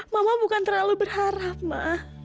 mama bukan terlalu berharap mak